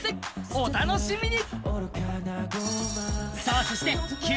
お楽しみに。